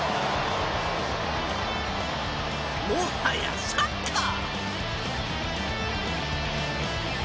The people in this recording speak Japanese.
もはやサッカー。